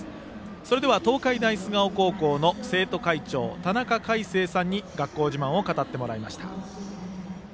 それでは東海大菅生高校の生徒会長田中海成さんに学校自慢を語ってもらいました。